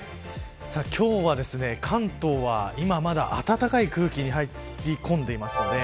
今日は関東はまだ暖かい空気入り込んでいますね。